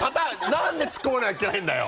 なんで突っ込まれなきゃいけないんだよ！